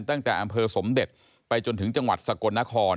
ตั้งแต่อำเภอสมเด็จไปจนถึงจังหวัดสกลนคร